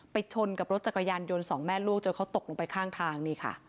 ชนกับรถจักรยานยนต์สองแม่ลูกจนเขาตกลงไปข้างทางนี่ค่ะ